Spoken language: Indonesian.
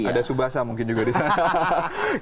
ada subasa mungkin juga di sana